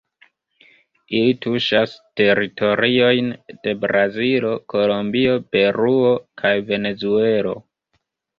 Ili tuŝas teritoriojn de Brazilo, Kolombio, Peruo kaj Venezuelo.